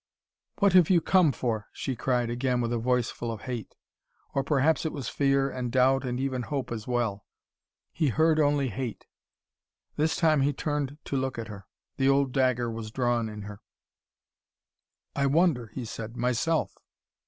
"What have you come for?" she cried again, with a voice full of hate. Or perhaps it was fear and doubt and even hope as well. He heard only hate. This time he turned to look at her. The old dagger was drawn in her. "I wonder," he said, "myself."